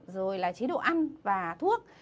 rồi là chế độ ăn và thuốc